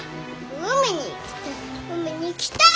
海に行きたい。